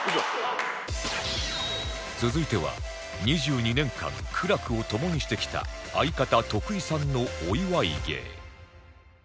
続いては２２年間苦楽を共にしてきた相方徳井さんのお祝い芸